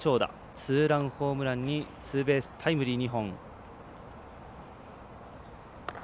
ツーランホームランにタイムリー２本。